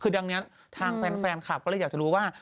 คือดังนี้ทางแฟนคลับก็เลยอยากจะรู้ว่า